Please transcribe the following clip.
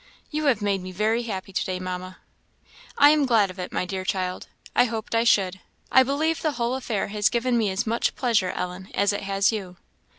"You have made me very happy to day, Mamma." "I am glad of it, my dear child. I hoped I should. I believe the whole affair has given me as much pleasure, Ellen, as it has you."